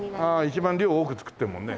一番量多く作ってるもんね。